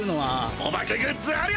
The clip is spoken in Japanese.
おばけグッズあるよ！